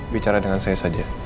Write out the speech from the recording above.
bicara dengan saya saja